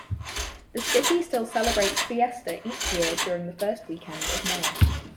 The city still celebrates Fiesta each year during the first weekend of May.